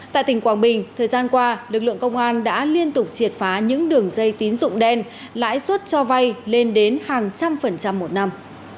tại tỉnh quảng bình thời gian qua lực lượng công an đã liên tục triệt phá những đường dây tín dụng đen lãi suất cho vay lên đến hàng trăm một năm